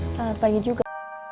selamat pagi juga